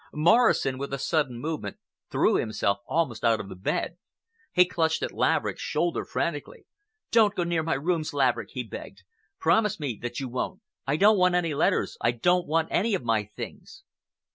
Morrison, with a sudden movement, threw himself almost out of the bed. He clutched at Laverick's shoulder frantically. "Don't go near my rooms, Laverick!" he begged. "Promise me that you won't! I don't want any letters! I don't want any of my things!"